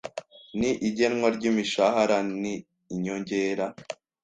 n igenwa ry imishahara n inyongera